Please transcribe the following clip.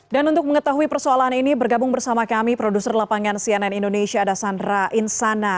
dan untuk mengetahui persoalan ini bergabung bersama kami produser lapangan cnn indonesia ada sandra insana